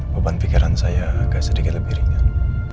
beban pikiran saya agak sedikit lebih ringan